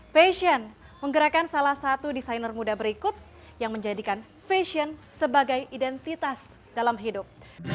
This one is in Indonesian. fashion menggerakkan salah satu desainer muda berikut yang menjadikan fashion sebagai identitas dalam hidup